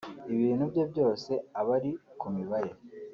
ibintu bye byose aba ari ku mibare